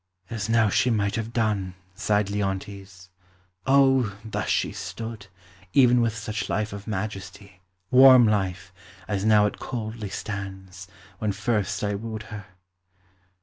"As now she might have done," sighed Leontes. "O, thus she stood, even with such life of majesty, warm life, as now it coldly stands, when first I wooed her!"